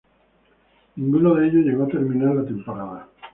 Ninguno de ellos llegó a terminar la temporada.